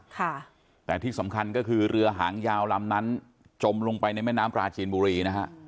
ค่ะแต่ที่สำคัญก็คือเรือหางยาวลำนั้นจมลงไปในแม่น้ำปลาจีนบุรีนะฮะ